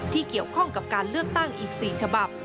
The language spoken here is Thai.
ที่เกี่ยวข้องกับการเลือกตั้งอีก๔ฉบับ